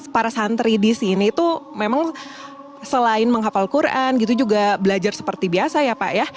para santri di sini tuh memang selain menghafal quran gitu juga belajar seperti biasa ya pak ya